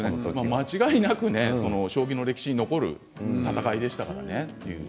間違いなく将棋の歴史に残る戦いでしたからね。